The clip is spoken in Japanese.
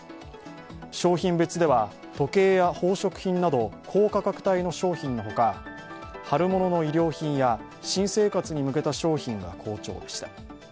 商品別では時計や宝飾品など高価格帯の商品のほか、春物の衣料品や新生活に向けた商品が好調でした。